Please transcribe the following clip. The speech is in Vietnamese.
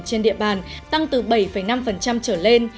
kế hoạch phát triển kinh tế xã hội trên địa bàn tăng từ bảy năm trở lên